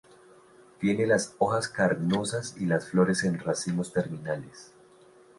Tiene las hojas carnosas y las flores en racimos terminales.